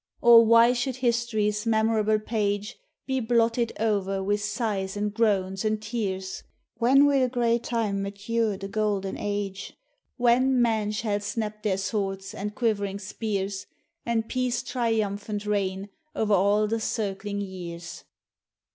Or why should history's memorable page Be blotted o'er with sighs and groans and tears? When will grey time mature the golden age, When men shall snap their swords and quiv'ring spears, And Peace triumphant reign o'er all the circling years?